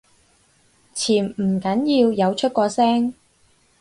潛唔緊要，有出過聲